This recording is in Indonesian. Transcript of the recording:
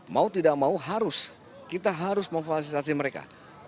mau tidak mau harus kita harus memfasilitasi mereka